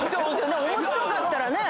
面白かったらね。